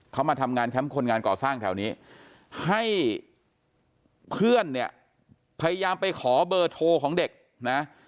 เขามาทำงานแคมป์คนงานก่อสร้างแถวนี้ให้เพื่อนเนี่ยพยายามไปขอเบอร์โทรของเด็กนะ